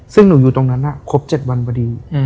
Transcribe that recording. ซึ่งหนูอยู่ตรงนั้นครบ๗วันพอดี